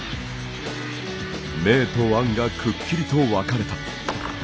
明と暗がくっきりと分かれた。